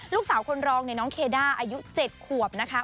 ลูกสาวคนรองเนี่ยน้องเคด้าอายุ๗ขวบนะคะ